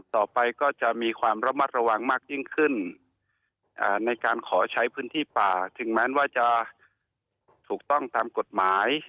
ต่อไปก็จะมีความระมัดระวังมากยิ่งขึ้นในการขอใช้พื้นที่ป่าถึงแม้ว่าจะถูกต้องตามกฎหมาย